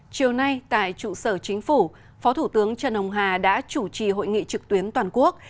chiều nay tại trụ sở chính phủ phó thủ tướng trần hồng hà đã chủ trì hội nghị trực tuyến toàn quốc